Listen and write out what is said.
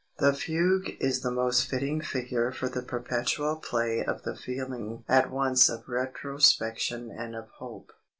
The fugue is the most fitting figure for the perpetual play of the feeling at once of retrospection and of hope.